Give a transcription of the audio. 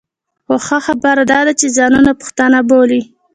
خو ښه خبره دا ده چې ځانونه پښتانه بولي.